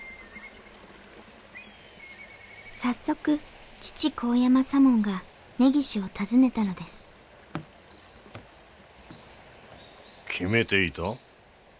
早速父神山左門が根岸を訪ねたのです決めていた？